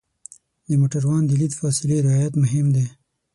د موټروان د لید فاصلې رعایت مهم دی.